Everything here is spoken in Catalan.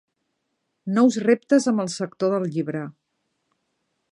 Nous reptes amb el sector del llibre.